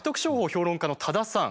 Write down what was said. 評論家の多田さん。